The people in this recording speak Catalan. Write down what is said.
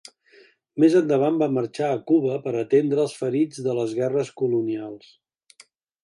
Més endavant va marxar a Cuba per atendre els ferits de les guerres colonials.